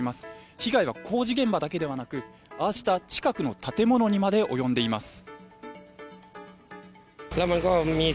被害は工事現場だけではなく近くの建物にまで及んでいます。